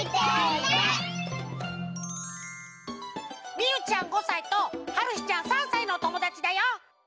みゆちゃん５さいとはるひちゃん３さいのおともだちだよ。